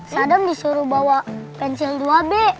sadam disuruh bawa pensil dua b